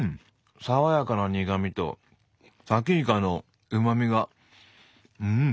爽やかな苦味とさきイカのうまみがうん！